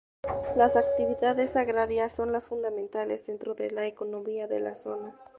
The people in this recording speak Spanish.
Las actividades agrarias son las fundamentales dentro de la economía de la zona.